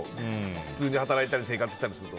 普通に働いたり生活してたりすると。